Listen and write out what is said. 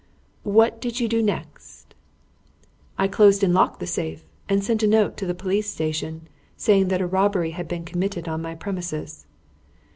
"What did you do next?" "I closed and locked the safe, and sent a note to the police station saying that a robbery had been committed on my premises."